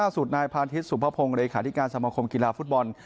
สุดท้ายพาธิสสุภพพงษ์หลักฐิการสมคมกีฬาฟุตบอล